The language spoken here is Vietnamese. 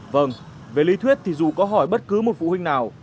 vâng về lý thuyết thì dù có hỏi bất cứ một phụ huynh nào